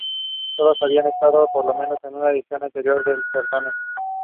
The French appointed Governor Gustave Gallet to suppress the entrenched rebellion.